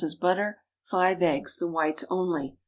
butter. 5 eggs—the whites only.